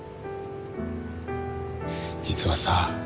実はさ